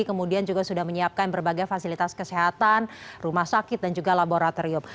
kemudian juga sudah menyiapkan berbagai fasilitas kesehatan rumah sakit dan juga laboratorium